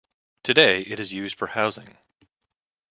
Today it is used for housing.